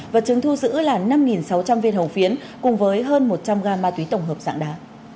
vật chứng thu giữ là năm sáu trăm linh viên hồng phiến cùng với hơn một trăm linh g ma túy tổng hợp dạng đá